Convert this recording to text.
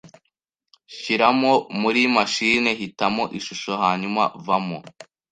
Shyiramo muri mashine hitamo Ishusho hanyuma vamo